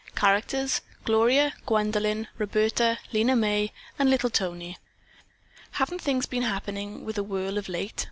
Characters Gloria, Gwendolyn, Roberta, Lena May and little Tony. "Haven't things been happening with a whirl of late?"